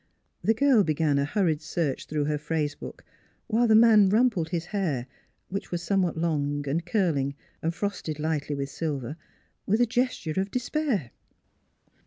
The girl began a hurried search through her phrase book, while the man rumpled his hair which was somewhat long and curling and frosted lightly with silver with a gesture of despair.